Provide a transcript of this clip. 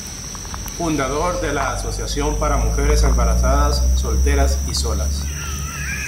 Fundador de la Asociación para Mujeres Embarazadas Solteras y Solas.